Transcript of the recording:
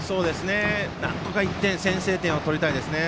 なんとか１点先制点を取りたいですね。